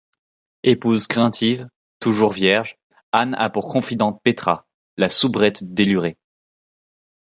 Épouse craintive, toujours vierge, Anne a pour confidente Petra, la soubrette délurée.